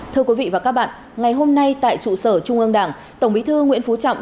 thưa quý vị và các bạn ngày hôm nay tại trụ sở trung ương đảng tổng bí thư nguyễn phú trọng